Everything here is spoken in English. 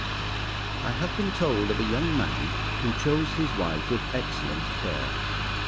I have been told of a young man, who chose his wife with excellent care.